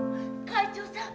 会長さん